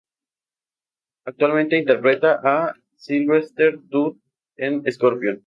Actualmente interpreta a Silvester Dodd en Scorpion.